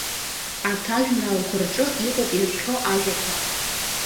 Арҭ ажәеинраалақәа рҿы иҟоуп иажәхьоу ажәақәа.